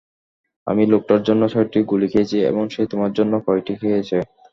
আমি লোকটার জন্য ছয়টি গুলি খেয়েছি এবং সে তোমার জন্য কয়টি খেয়েছে?